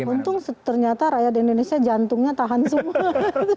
untung ternyata rakyat indonesia jantungnya tahan semua